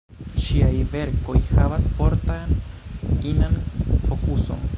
Ŝiaj verkoj havas fortan inan fokuson.